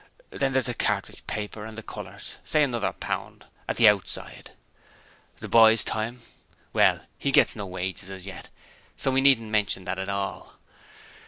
Then there's the cartridge paper and the colours say another pound, at the outside. Boy's time? Well, he gets no wages as yet, so we needn't mention that at all.